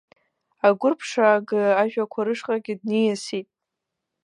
Агәырԥшаага ажәақәа рышҟагьы дниасит.